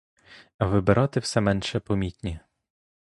А вибирати все менше помітні.